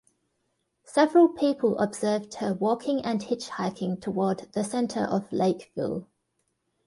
Several people observed her walking and hitchhiking toward the center of Lakeville.